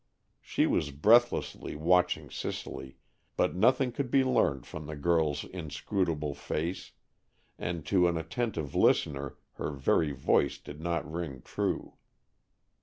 She was breathlessly watching Cicely, but nothing could be learned from the girl's inscrutable face, and to an attentive listener her very voice did not ring true.